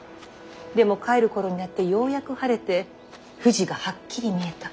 でも帰る頃になってようやく晴れて富士がはっきり見えた。